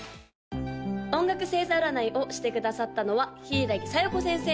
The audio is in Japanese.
・音楽星座占いをしてくださったのは柊小夜子先生！